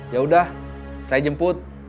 ya udah saya jemput